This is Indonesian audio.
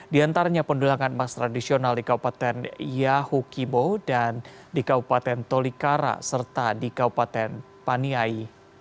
di antaranya pendulangan emas tradisional di kabupaten yahukibo dan di kabupaten tolikara serta di kabupaten paniai